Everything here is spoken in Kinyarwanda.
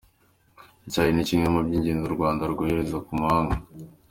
Icyayi ni kimwe mu by’ingenzi u Rwanda rwohereza mu mahanga.